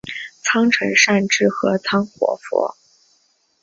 仓成善智合仓活佛。